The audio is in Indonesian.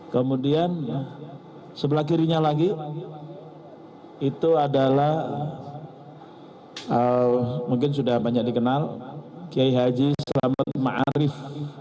kemudian sebelah kirinya lagi itu adalah mungkin sudah banyak dikenal ki haji selamat ma'arif